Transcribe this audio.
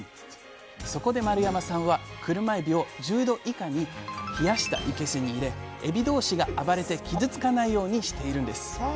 そこで丸山さんはクルマエビを１０℃以下に冷やしたいけすに入れエビ同士が暴れて傷つかないようにしているんです。